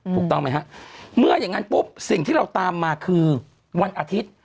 ถูกต้องไหมฮะเมื่ออย่างนั้นปุ๊บสิ่งที่เราตามมาคือวันอาทิตย์